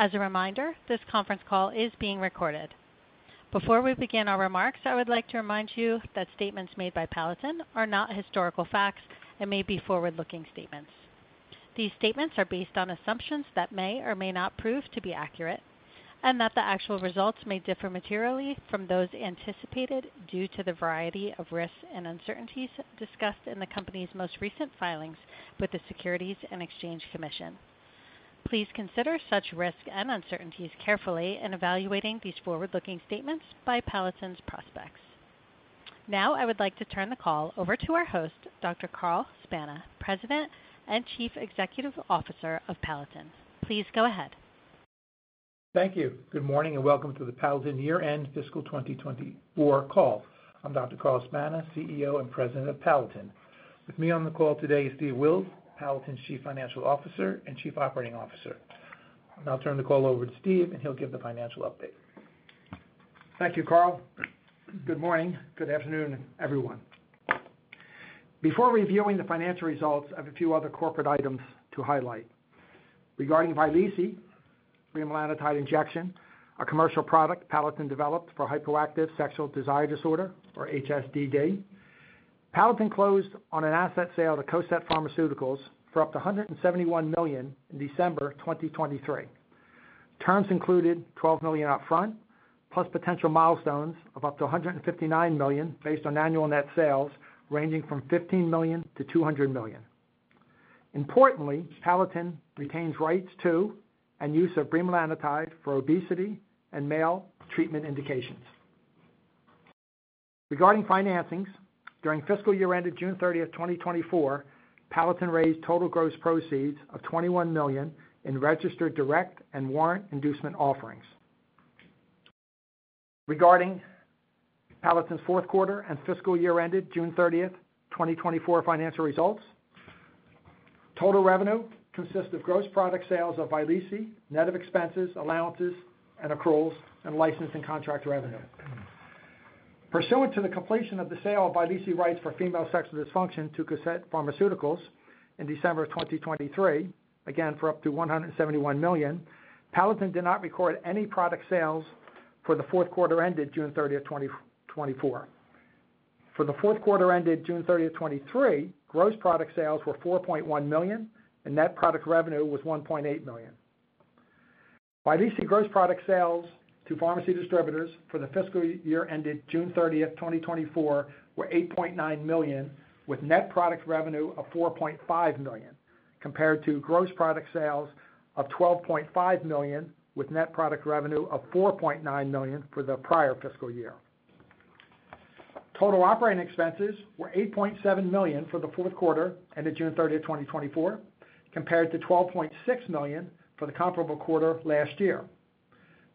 As a reminder, this conference call is being recorded. Before we begin our remarks, I would like to remind you that statements made by Palatin are not historical facts and may be forward-looking statements. These statements are based on assumptions that may or may not prove to be accurate, and that the actual results may differ materially from those anticipated due to the variety of risks and uncertainties discussed in the company's most recent filings with the Securities and Exchange Commission. Please consider such risks and uncertainties carefully in evaluating these forward-looking statements by Palatin's prospects. Now, I would like to turn the call over to our host, Dr. Carl Spana, President and Chief Executive Officer of Palatin. Please go ahead. Thank you. Good morning, and welcome to the Palatin year-end fiscal 2024 call. I'm Dr. Carl Spana, CEO and President of Palatin. With me on the call today is Steve Wills, Palatin's Chief Financial Officer and Chief Operating Officer. I'll now turn the call over to Steve, and he'll give the financial update. Thank you, Carl. Good morning. Good afternoon, everyone. Before reviewing the financial results, I have a few other corporate items to highlight. Regarding Vyleesi, bremelanotide injection, a commercial product Palatin developed for hypoactive sexual desire disorder, or HSDD, Palatin closed on an asset sale to Cosette Pharmaceuticals for up to $171 million in December 2023. Terms included $12 million upfront, plus potential milestones of up to $159 million based on annual net sales, ranging from $15 million to $200 million. Importantly, Palatin retains rights to and use of bremelanotide for obesity and male treatment indications. Regarding financings, during fiscal year ended June 30th, 2024, Palatin raised total gross proceeds of $21 million in registered direct and warrant inducement offerings. Regarding Palatin's fourth quarter and fiscal year ended June 30th, 2024 financial results, total revenue consists of gross product sales of Vyleesi, net of expenses, allowances, and accruals, and license and contract revenue. Pursuant to the completion of the sale of Vyleesi rights for female sexual dysfunction to Cosette Pharmaceuticals in December of 2023, again, for up to $171 million, Palatin did not record any product sales for the fourth quarter ended June 30th, 2024. For the fourth quarter ended June 30th, 2023, gross product sales were $4.1 million, and net product revenue was $1.8 million. Vyleesi gross product sales to pharmacy distributors for the fiscal year ended June 30, 2024, were $8.9 million, with net product revenue of $4.5 million, compared to gross product sales of $12.5 million, with net product revenue of $4.9 million for the prior fiscal year. Total operating expenses were $8.7 million for the fourth quarter ended June 30, 2024, compared to $12.6 million for the comparable quarter last year.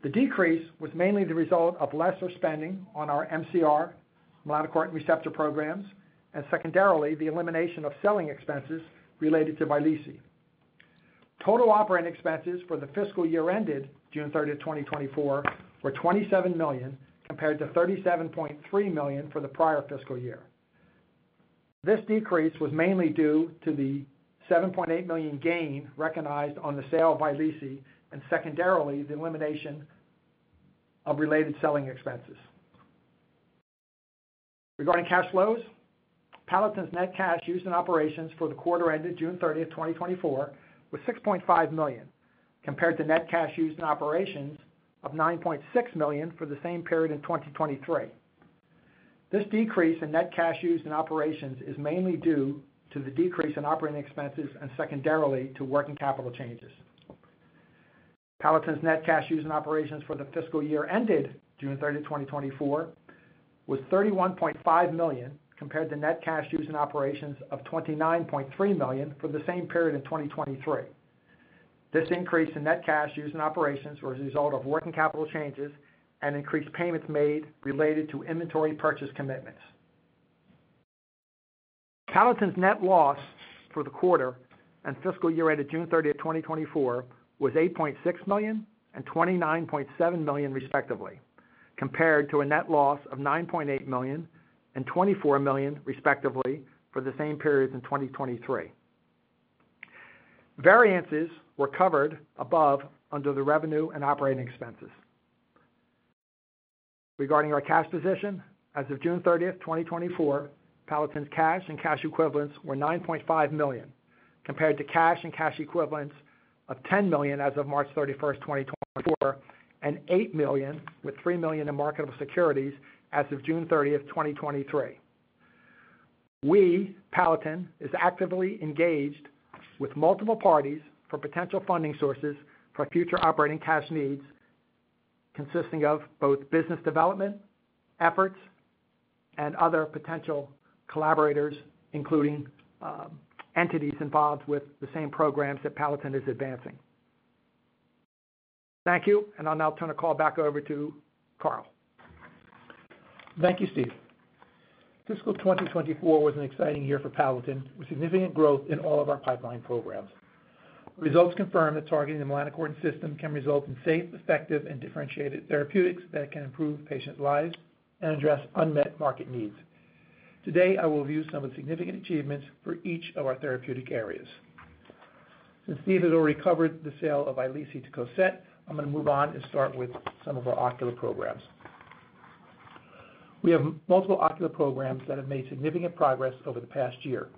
The decrease was mainly the result of lesser spending on our MCR, melanocortin receptor programs, and secondarily, the elimination of selling expenses related to Vyleesi. Total operating expenses for the fiscal year ended June 30, 2024, were $27 million, compared to $37.3 million for the prior fiscal year. This decrease was mainly due to the $7.8 million gain recognized on the sale of Vyleesi and secondarily, the elimination of related selling expenses. Regarding cash flows, Palatin's net cash used in operations for the quarter ended June 30th, 2024, was $6.5 million, compared to net cash used in operations of $9.6 million for the same period in 2023. This decrease in net cash used in operations is mainly due to the decrease in operating expenses and secondarily, to working capital changes. Palatin's net cash used in operations for the fiscal year ended June thirtieth, 2024, was $31.5 million, compared to net cash used in operations of $29.3 million for the same period in 2023. This increase in net cash used in operations was a result of working capital changes and increased payments made related to inventory purchase commitments. Palatin's net loss for the quarter and fiscal year ended June 30, 2024, was $8.6 million and $29.7 million, respectively, compared to a net loss of $9.8 million and $24 million, respectively, for the same period in 2023. Variances were covered above under the revenue and operating expenses. Regarding our cash position, as of June 30, 2024, Palatin's cash and cash equivalents were $9.5 million, compared to cash and cash equivalents of $10 million as of March 31, 2024, and $8 million, with $3 million in marketable securities as of June 30, 2023. We, Palatin, is actively engaged with multiple parties for potential funding sources for future operating cash needs, consisting of both business development efforts and other potential collaborators, including entities involved with the same programs that Palatin is advancing. Thank you, and I'll now turn the call back over to Carl. Thank you, Steve. Fiscal 2024 was an exciting year for Palatin, with significant growth in all of our pipeline programs. Results confirm that targeting the melanocortin system can result in safe, effective, and differentiated therapeutics that can improve patients' lives and address unmet market needs. Today, I will review some of the significant achievements for each of our therapeutic areas. Since Steve has already covered the sale of Vyleesi to Cosette, I'm going to move on and start with some of our ocular programs. We have multiple ocular programs that have made significant progress over the past year.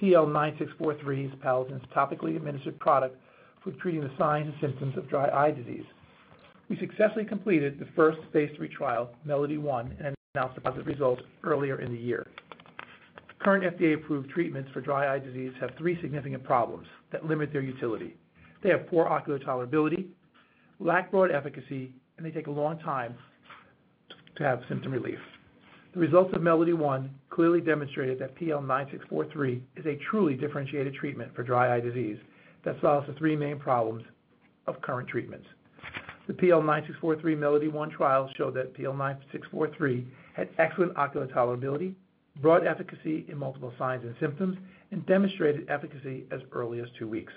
PL-9643 is Palatin's topically administered product for treating the signs and symptoms of dry eye disease. We successfully completed the first phase 3 trial, MELODY-1, and announced the positive results earlier in the year. Current FDA-approved treatments for dry eye disease have three significant problems that limit their utility. They have poor ocular tolerability, lack broad efficacy, and they take a long time to have symptom relief. The results of MELODY-1 clearly demonstrated that PL-9643 is a truly differentiated treatment for dry eye disease that solves the three main problems of current treatments. The PL-9643 MELODY-1 trial showed that PL-9643 had excellent ocular tolerability, broad efficacy in multiple signs and symptoms, and demonstrated efficacy as early as two weeks.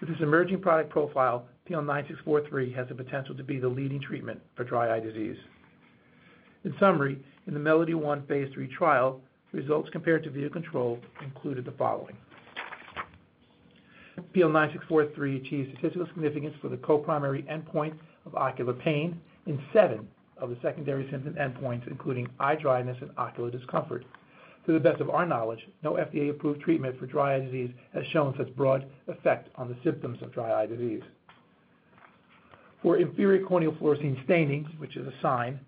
With this emerging product profile, PL-9643 has the potential to be the leading treatment for dry eye disease. In summary, in the MELODY-1 phase 3 trial, results compared to vehicle control included the following. PL-9643 achieved statistical significance for the co-primary endpoint of ocular pain in seven of the secondary symptom endpoints, including eye dryness and ocular discomfort. To the best of our knowledge, no FDA-approved treatment for dry eye disease has shown such broad effect on the symptoms of dry eye disease. For inferior corneal fluorescein staining, which is a sign,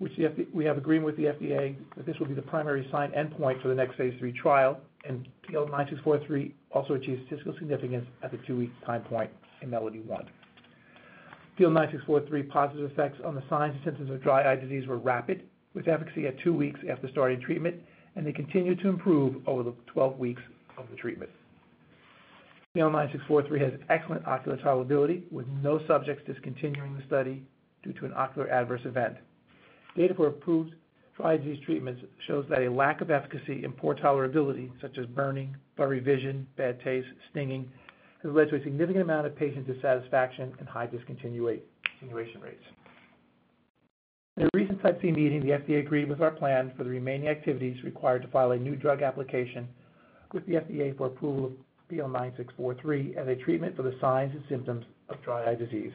and we have agreement with the FDA that this will be the primary sign endpoint for the next phase 3 trial, and PL-9643 also achieved statistical significance at the two-week time point in MELODY-1. PL-9643 positive effects on the signs and symptoms of dry eye disease were rapid, with efficacy at two weeks after starting treatment, and they continued to improve over the twelve weeks of the treatment. PL-9643 has excellent ocular tolerability, with no subjects discontinuing the study due to an ocular adverse event. Data for approved dry eye disease treatments shows that a lack of efficacy and poor tolerability, such as burning, blurry vision, bad taste, stinging, has led to a significant amount of patient dissatisfaction and high discontinuation rates. In a recent Type C meeting, the FDA agreed with our plan for the remaining activities required to file a new drug application with the FDA for approval of PL-9643 as a treatment for the signs and symptoms of dry eye disease.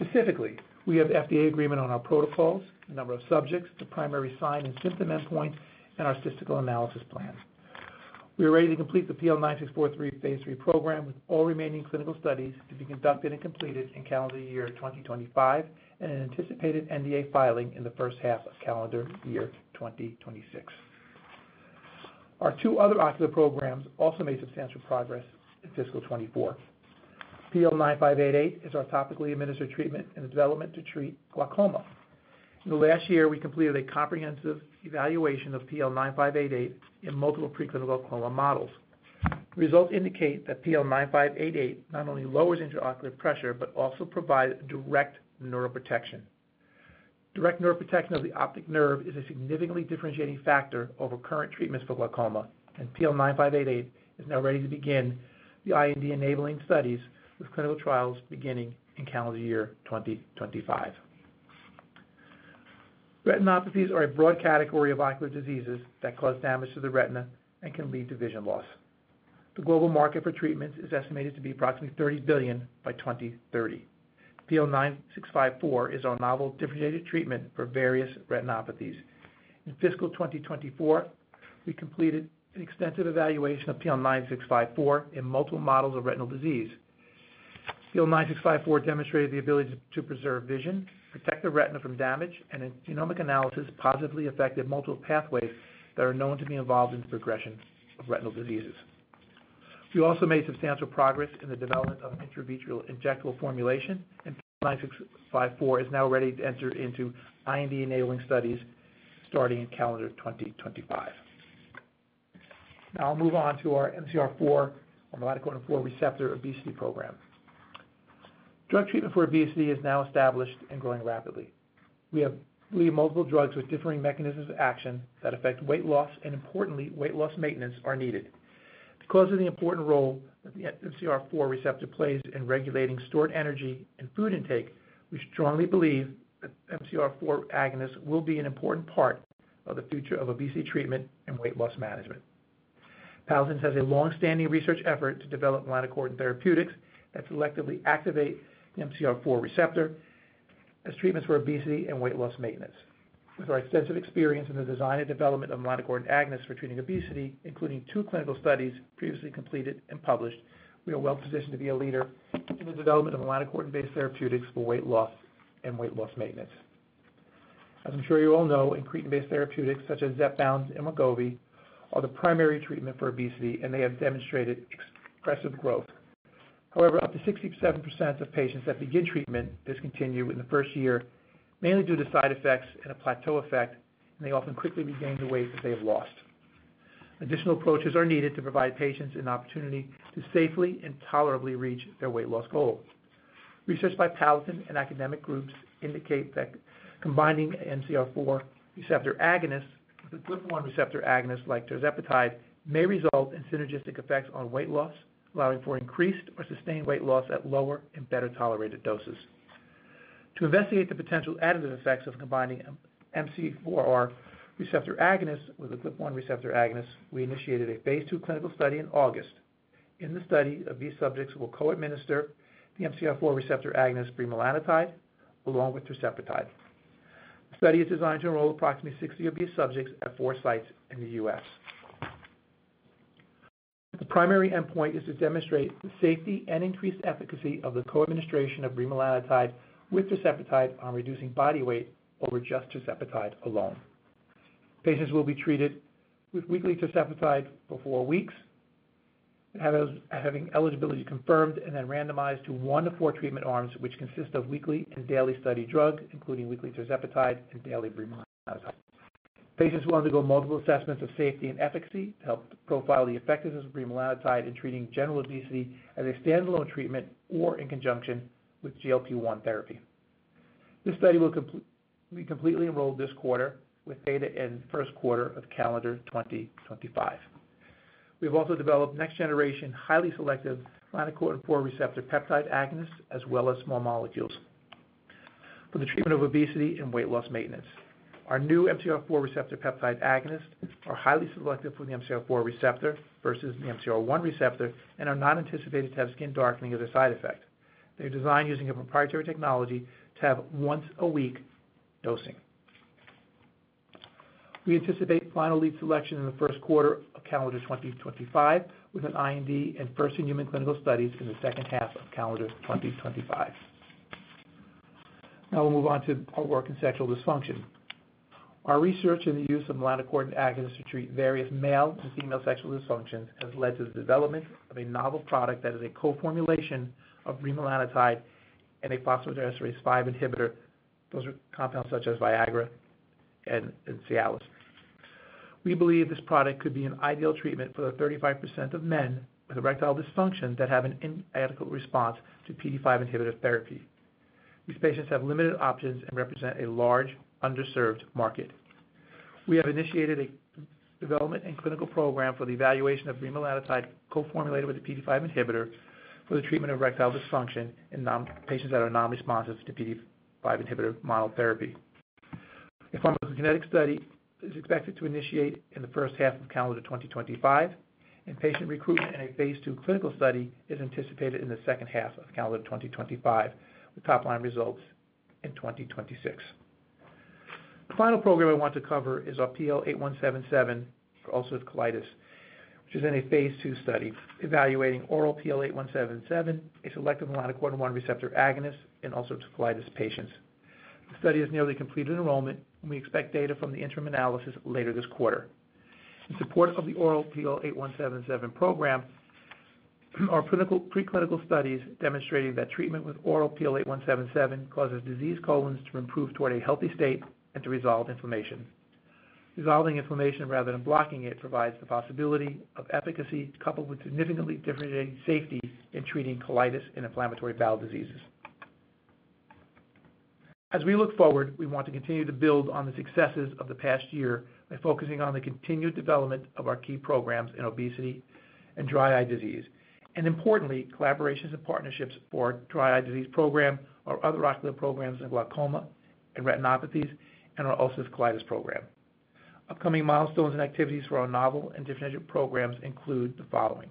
Specifically, we have FDA agreement on our protocols, the number of subjects, the primary sign and symptom endpoint, and our statistical analysis plan. We are ready to complete the PL-9643 phase 3 program, with all remaining clinical studies to be conducted and completed in calendar year 2025, and an anticipated NDA filing in the first half of calendar year 2026. Our two other ocular programs also made substantial progress in fiscal 2024. PL-9588 is our topically administered treatment in development to treat glaucoma. In the last year, we completed a comprehensive evaluation of PL-9588 in multiple preclinical glaucoma models. Results indicate that PL-9588 not only lowers intraocular pressure but also provides direct neuroprotection. Direct neuroprotection of the optic nerve is a significantly differentiating factor over current treatments for glaucoma, and PL-9588 is now ready to begin the IND-enabling studies, with clinical trials beginning in calendar year 2025. Retinopathies are a broad category of ocular diseases that cause damage to the retina and can lead to vision loss. The global market for treatments is estimated to be approximately $30 billion by 2030. PL-9654 is our novel differentiated treatment for various retinopathies. In fiscal 2024, we completed an extensive evaluation of PL-9654 in multiple models of retinal disease. PL-9654 demonstrated the ability to preserve vision, protect the retina from damage, and in genomic analysis, positively affected multiple pathways that are known to be involved in the progression of retinal diseases. We also made substantial progress in the development of an intravitreal injectable formulation, and PL-9654 is now ready to enter into IND-enabling studies starting in calendar 2025. Now I'll move on to our MC4R, or melanocortin-4 receptor, obesity program. Drug treatment for obesity is now established and growing rapidly. We have multiple drugs with differing mechanisms of action that affect weight loss and importantly, weight loss maintenance are needed. Because of the important role that the MC4R receptor plays in regulating stored energy and food intake, we strongly believe that MC4R agonists will be an important part of the future of obesity treatment and weight loss management. Palatin has a long-standing research effort to develop melanocortin therapeutics that selectively activate the MC4R receptor as treatments for obesity and weight loss maintenance. With our extensive experience in the design and development of melanocortin agonists for treating obesity, including two clinical studies previously completed and published, we are well positioned to be a leader in the development of melanocortin-based therapeutics for weight loss and weight loss maintenance. As I'm sure you all know, incretin-based therapeutics such as Zepbound and Wegovy are the primary treatment for obesity, and they have demonstrated impressive growth. However, up to 67% of patients that begin treatment discontinue in the first year, mainly due to side effects and a plateau effect, and they often quickly regain the weight that they have lost. Additional approaches are needed to provide patients an opportunity to safely and tolerably reach their weight loss goals. Research by Palatin and academic groups indicate that combining MC4R receptor agonists with GLP-1 receptor agonists like tirzepatide, may result in synergistic effects on weight loss, allowing for increased or sustained weight loss at lower and better-tolerated doses. To investigate the potential additive effects of combining MC4R receptor agonist with a GLP-1 receptor agonist, we initiated a phase 2 clinical study in August. In the study, obese subjects will co-administer the MC4R receptor agonist, bremelanotide, along with tirzepatide. The study is designed to enroll approximately 60 obese subjects at four sites in the US. The primary endpoint is to demonstrate the safety and increased efficacy of the co-administration of bremelanotide with tirzepatide on reducing body weight over just tirzepatide alone. Patients will be treated with weekly tirzepatide for four weeks, having eligibility confirmed and then randomized to one to four treatment arms, which consist of weekly and daily study drugs, including weekly tirzepatide and daily bremelanotide. Patients will undergo multiple assessments of safety and efficacy to help profile the effectiveness of bremelanotide in treating general obesity as a standalone treatment or in conjunction with GLP-1 therapy. This study will be completely enrolled this quarter with data in first quarter of calendar 2025. We've also developed next generation, highly selective melanocortin-four receptor peptide agonists, as well as small molecules for the treatment of obesity and weight loss maintenance. Our new MC4R receptor peptide agonists are highly selective for the MC4R receptor versus the MC1R receptor and are not anticipated to have skin darkening as a side effect. They're designed using a proprietary technology to have once-a-week dosing. We anticipate final lead selection in the first quarter of calendar 2025, with an IND and first-in-human clinical studies in the second half of calendar 2025. Now we'll move on to our work in sexual dysfunction. Our research in the use of melanocortin agonists to treat various male to female sexual dysfunctions has led to the development of a novel product that is a co-formulation of bremelanotide and a phosphodiesterase five inhibitor. Those are compounds such as Viagra and Cialis. We believe this product could be an ideal treatment for the 35% of men with erectile dysfunction that have an inadequate response to PDE5 inhibitor therapy. These patients have limited options and represent a large underserved market. We have initiated a development and clinical program for the evaluation of bremelanotide, co-formulated with a PDE5 inhibitor for the treatment of erectile dysfunction in patients that are non-responsive to PDE5 inhibitor monotherapy. A pharmacokinetic study is expected to initiate in the first half of calendar 2025, and patient recruitment in a phase 2 clinical study is anticipated in the second half of calendar 2025, with top-line results in 2026. The final program I want to cover is our PL-8177 ulcerative colitis, which is in a phase 2 study evaluating oral PL-8177, a selective melanocortin-1 receptor agonist in ulcerative colitis patients. The study has nearly completed enrollment, and we expect data from the interim analysis later this quarter. In support of the oral PL-8177 program, our clinical, preclinical studies demonstrating that treatment with oral PL-8177 causes diseased colons to improve toward a healthy state and to resolve inflammation. Resolving inflammation rather than blocking it, provides the possibility of efficacy, coupled with significantly differentiated safety in treating colitis and inflammatory bowel diseases. As we look forward, we want to continue to build on the successes of the past year by focusing on the continued development of our key programs in obesity and dry eye disease. Importantly, collaborations and partnerships for our dry eye disease program, our other ocular programs in glaucoma and retinopathies, and our ulcerative colitis program. Upcoming milestones and activities for our novel and differentiated programs include the following: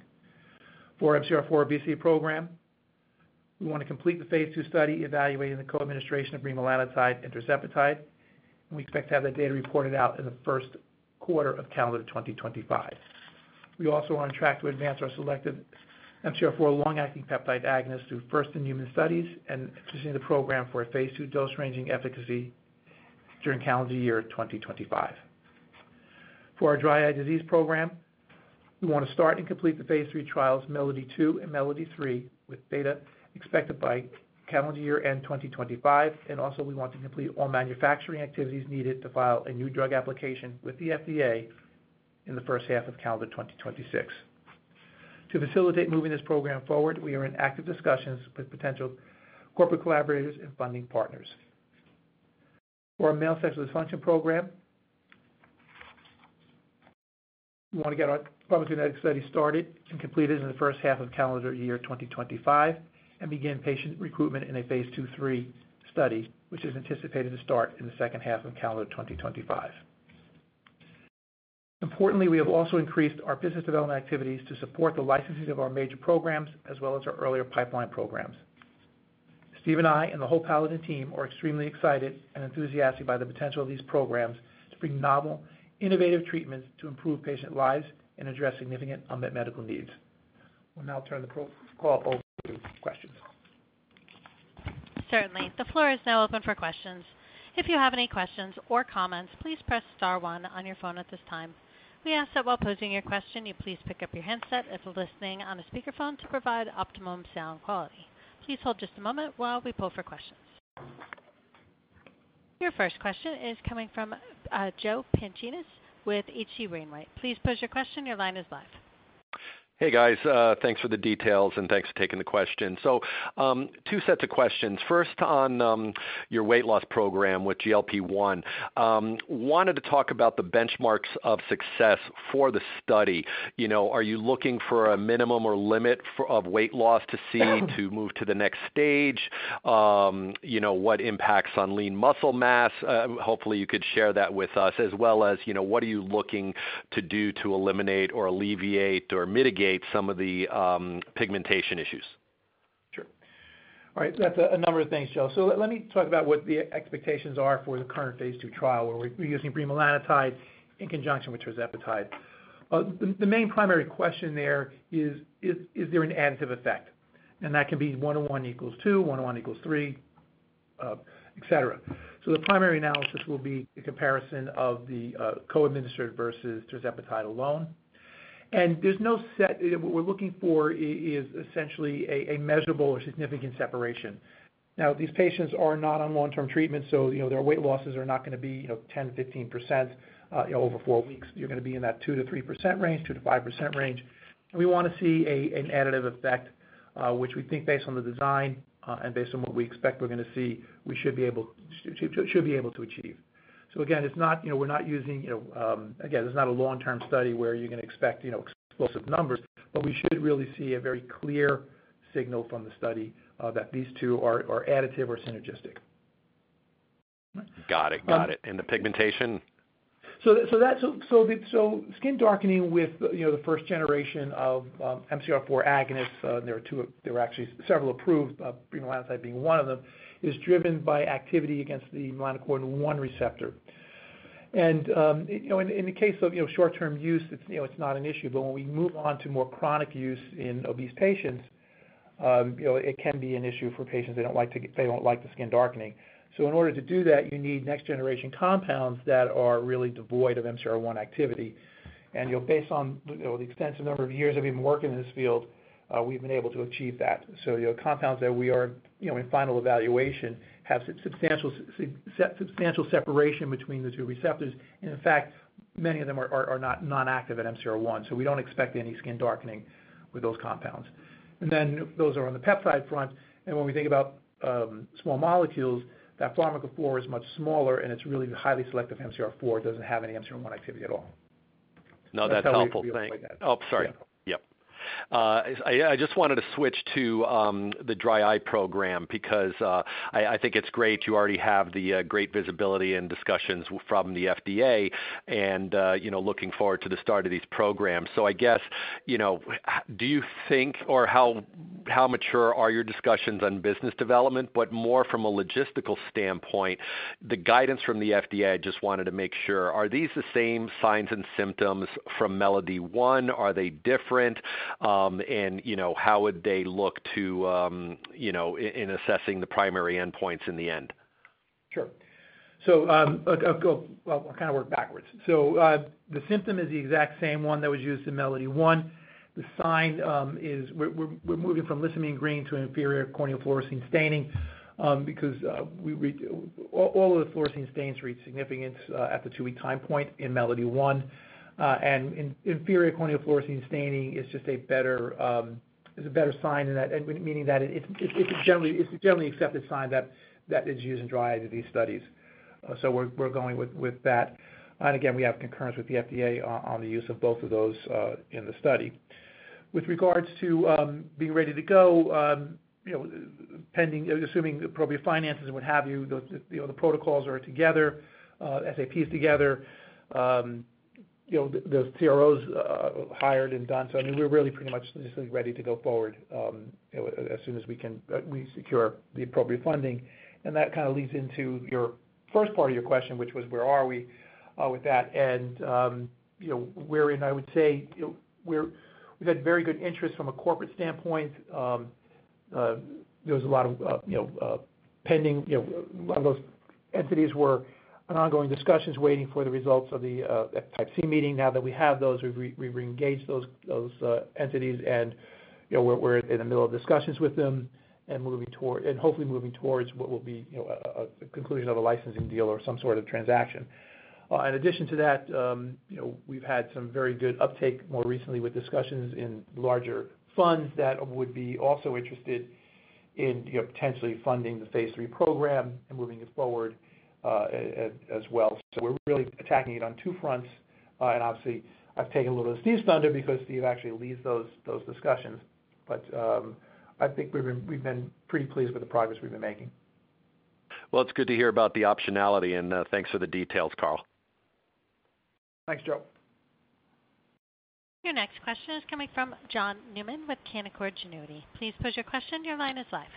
For MC4R obesity program, we want to complete the phase 2 study evaluating the co-administration of bremelanotide and tirzepatide, and we expect to have that data reported out in the first quarter of calendar 2025. We also are on track to advance our selective MC4R long-acting peptide agonist through first-in-human studies and advancing the program for a phase 2 dose-ranging efficacy during calendar year 2025. For our dry eye disease program, we want to start and complete the phase 3 trials, MELODY-2 and MELODY-3, with data expected by calendar year-end 2025. And also, we want to complete all manufacturing activities needed to file a new drug application with the FDA in the first half of calendar 2026. To facilitate moving this program forward, we are in active discussions with potential corporate collaborators and funding partners. For our male sexual dysfunction program, we want to get our pharmacokinetic study started and completed in the first half of calendar year 2025, and begin patient recruitment in a phase two/three study, which is anticipated to start in the second half of calendar 2025. Importantly, we have also increased our business development activities to support the licensing of our major programs, as well as our earlier pipeline programs. Steve and I and the whole Palatin team are extremely excited and enthusiastic by the potential of these programs to bring novel, innovative treatments to improve patient lives and address significant unmet medical needs. We'll now turn the call over to questions. Certainly. The floor is now open for questions. If you have any questions or comments, please press star one on your phone at this time. We ask that while posing your question, you please pick up your handset if listening on a speakerphone to provide optimum sound quality. Please hold just a moment while we poll for questions. Your first question is coming from Joe Pantginis with H.C. Wainwright. Please pose your question. Your line is live.... Hey, guys. Thanks for the details, and thanks for taking the question. So, two sets of questions. First, on, your weight loss program with GLP-1, wanted to talk about the benchmarks of success for the study. You know, are you looking for a minimum or limit for, of weight loss to see to move to the next stage? You know, what impacts on lean muscle mass? Hopefully, you could share that with us, as well as, you know, what are you looking to do to eliminate or alleviate or mitigate some of the, pigmentation issues? Sure. All right, that's a number of things, Joe. So let me talk about what the expectations are for the current phase II trial, where we're using bremelanotide in conjunction with tirzepatide. The main primary question there is, is there an additive effect? And that can be one on one equals two, one on one equals three, et cetera. So the primary analysis will be a comparison of the co-administered versus tirzepatide alone. And there's no set. What we're looking for is essentially a measurable or significant separation. Now, these patients are not on long-term treatment, so you know, their weight losses are not gonna be, you know, 10, 15% over four weeks. You're gonna be in that 2%-3% range, 2%-5% range. We wanna see an additive effect, which we think based on the design, and based on what we expect we're gonna see, we should be able to achieve. So again, it's not, you know, we're not using, you know, again, this is not a long-term study where you're gonna expect, you know, explosive numbers, but we should really see a very clear signal from the study, that these two are additive or synergistic. Got it, got it. Um- The pigmentation? So the skin darkening with, you know, the first generation of MC4R agonists, there are actually several approved, bremelanotide being one of them, is driven by activity against the melanocortin-1 receptor. And, you know, in the case of, you know, short-term use, it's, you know, it's not an issue, but when we move on to more chronic use in obese patients, you know, it can be an issue for patients. They don't like the skin darkening. So in order to do that, you need next-generation compounds that are really devoid of MC1R activity. And, you know, based on, you know, the extensive number of years I've been working in this field, we've been able to achieve that. You know, compounds that we are, you know, in final evaluation have substantial separation between the two receptors, and in fact, many of them are not active at MC1R, so we don't expect any skin darkening with those compounds. And then those are on the peptide front, and when we think about small molecules, that pharmacophore is much smaller, and it's really highly selective. MC4R doesn't have any MC1R activity at all. No, that's helpful. Thanks. Oh, sorry. Yeah. Yep. I just wanted to switch to the dry eye program because I think it's great you already have the great visibility and discussions from the FDA and you know, looking forward to the start of these programs. So I guess, you know, do you think, or how mature are your discussions on business development? But more from a logistical standpoint, the guidance from the FDA, I just wanted to make sure, are these the same signs and symptoms from MELODY-1? Are they different? And you know, how would they look to you know, in assessing the primary endpoints in the end? Sure. Well, I'll kind of work backwards, so the symptom is the exact same one that was used in MELODY-1. The sign is we're moving from lissamine green to an inferior corneal fluorescein staining because all of the fluorescein stains reached significance at the two-week time point in MELODY-1. And inferior corneal fluorescein staining is just a better sign than that, meaning that it's a generally accepted sign that is used in dry eye in these studies, so we're going with that, and again, we have concurrence with the FDA on the use of both of those in the study. With regards to being ready to go, you know, pending, assuming the appropriate finances and what have you, the you know, the protocols are together, SAP is together, you know, the the CROs are hired and done. So, I mean, we're really pretty much just ready to go forward as soon as we can, we secure the appropriate funding. And that kind of leads into your first part of your question, which was: Where are we with that? And, you know, we're in, I would say, we've had very good interest from a corporate standpoint. There was a lot of, you know, pending, you know, a lot of those entities were in ongoing discussions, waiting for the results of the Type C meeting. Now that we have those, we've re-engaged those entities and, you know, we're in the middle of discussions with them and moving toward and hopefully moving towards what will be, you know, a conclusion of a licensing deal or some sort of transaction. In addition to that, you know, we've had some very good uptake more recently with discussions in larger funds that would be also interested in, you know, potentially funding the phase III program and moving it forward, as well. So we're really attacking it on two fronts. And obviously, I've taken a little of Steve's thunder because Steve actually leads those discussions. But I think we've been pretty pleased with the progress we've been making. It's good to hear about the optionality, and thanks for the details, Carl. Thanks, Joe. Your next question is coming from John Newman with Canaccord Genuity. Please pose your question. Your line is live.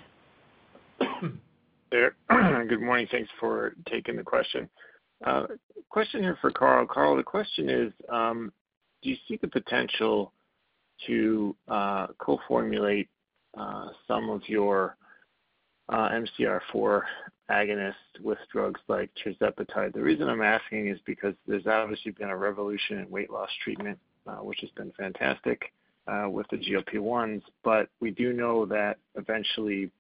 Good morning. Thanks for taking the question. Question here for Carl. Carl, the question is, do you see the potential to co-formulate some of your MC4R agonists with drugs like tirzepatide? The reason I'm asking is because there's obviously been a revolution in weight loss treatment which has been fantastic with the GLP-1s, but we do know that eventually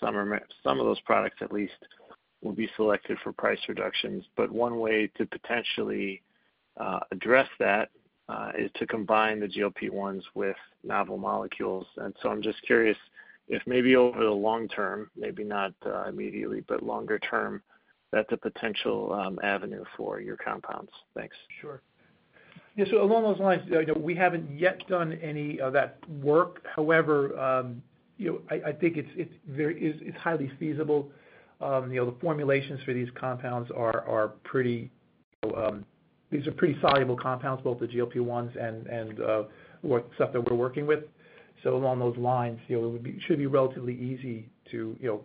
some of those products at least will be selected for price reductions. But one way to potentially address that is to combine the GLP-1s with novel molecules. And so I'm just curious if maybe over the long term, maybe not immediately, but longer term, that's a potential avenue for your compounds. Thanks. Sure. Yeah, so along those lines, you know, we haven't yet done any of that work. However, you know, I think it's highly feasible. You know, the formulations for these compounds are. These are pretty soluble compounds, both the GLP-1s and what stuff that we're working with. So along those lines, you know, it should be relatively easy to, you know,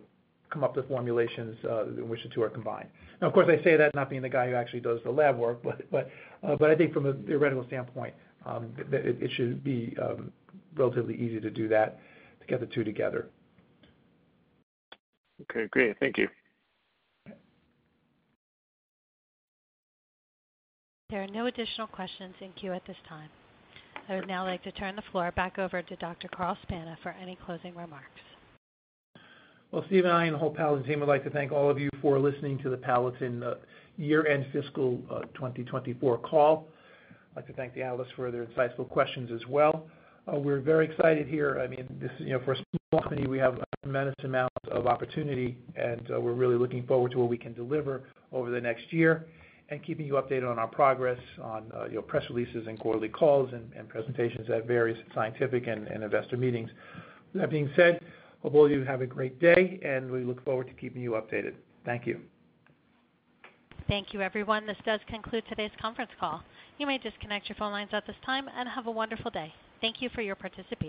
come up with formulations in which the two are combined. Now, of course, I say that not being the guy who actually does the lab work, but I think from a theoretical standpoint, that it should be relatively easy to do that, to get the two together. Okay, great. Thank you. There are no additional questions in queue at this time. I would now like to turn the floor back over to Dr. Carl Spana for any closing remarks. Well, Steve and I, and the whole Palatin team would like to thank all of you for listening to the Palatin year-end fiscal 2024 call. I'd like to thank the analysts for their insightful questions as well. We're very excited here. I mean, this, you know, for a small company, we have an immense amount of opportunity, and we're really looking forward to what we can deliver over the next year, and keeping you updated on our progress on, you know, press releases and quarterly calls and presentations at various scientific and investor meetings. That being said, hope all you have a great day, and we look forward to keeping you updated. Thank you. Thank you, everyone. This does conclude today's conference call. You may disconnect your phone lines at this time and have a wonderful day. Thank you for your participation.